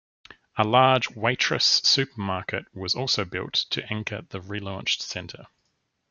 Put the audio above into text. A large Waitrose supermarket was also built, to anchor the relaunched centre.